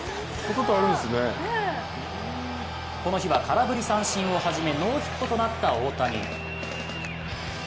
この日は、空振り三振をはじめノーヒットとなった大谷。